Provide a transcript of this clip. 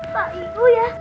pak ibu ya